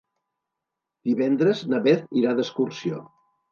Divendres na Beth irà d'excursió.